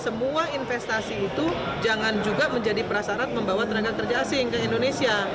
semua investasi itu jangan juga menjadi prasarat membawa tenaga kerja asing ke indonesia